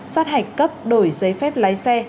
sát hạch cấp đổi giấy phép lái xe